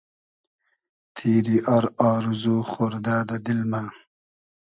تیری آر آرزو خۉردۂ دۂ دیل مۂ